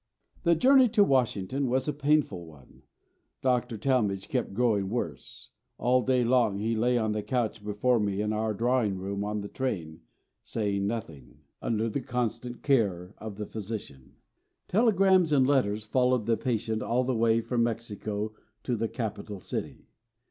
The journey to Washington was a painful one. Dr. Talmage kept growing worse. All day long he lay on the couch before me in our drawing room on the train, saying nothing under the constant care of the physician. Telegrams and letters followed the patient all the way from Mexico to the Capital city.